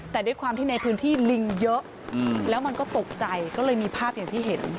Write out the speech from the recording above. แต่ด้วยความที่ในพื้นที่ลิงเยอะแล้วมันก็ตกใจก็เลยมีภาพอย่างที่เห็น